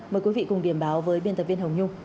mời quý vị cùng điểm báo với biên tập viên hồng nhung